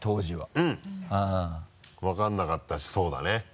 うん分からなかったしそうだね。